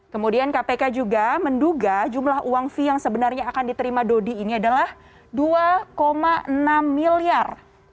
kemudian kpk juga menduga jumlah uang fee yang sebenarnya akan diterima dodi ini adalah dua enam miliar